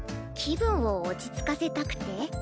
気分を落ち着かせたくて？